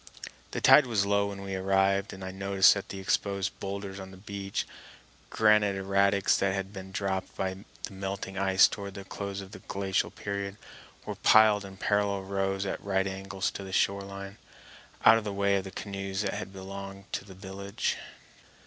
The tide was low when we arrived, and I noticed that the exposed boulders on the beach—granite erratics that had been dropped by the melting ice toward the close of the glacial period—were piled in parallel rows at right angles to the shore line, out of the way of the canoes that had belonged to the village.